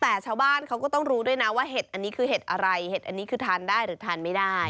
แต่ชาวบ้านเขาก็ต้องรู้ด้วยนะว่าเห็ดอันนี้คือเห็ดอะไรเห็ดอันนี้คือทานได้หรือทานไม่ได้